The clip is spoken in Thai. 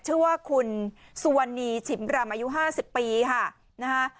ชื่อว่าคุณสุวรรณีชิมรำอายุห้าสิบปีฮะนะฮะ